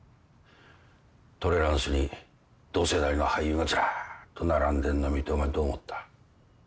トレランスに同世代の俳優がずらーっと並んでんの見てお前どう思った？